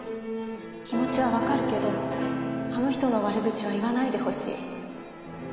気持ちはわかるけどあの人の悪口は言わないでほしい。